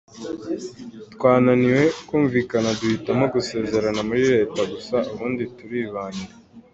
Twananiwe kumvikana duhitamo gusezerana muri Leta gusa, ubundi turibanira.